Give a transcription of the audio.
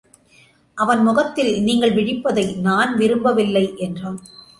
அவன் முகத்தில் நீங்கள் விழிப்பதை நான் விரும்ப வில்லை என்றான்.